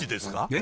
え？